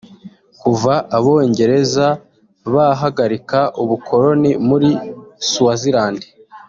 Kuva Abongereza bahagarika ubukoroni muri Swaziland